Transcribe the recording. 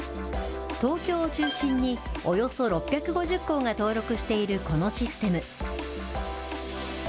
東京を中心におよそ６５０校が登録しているこのシステム。